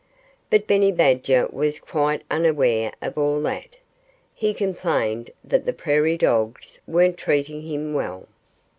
But Benny Badger was quite unaware of all that. He complained that the prairie dogs weren't treating him well.